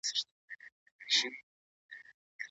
ایا تاسي کله په یوه لویه کلا کې لوبېدلي یاست؟